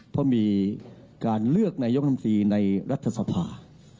เพราะมีการเลือกนายกรรมตรีในรัฐสภา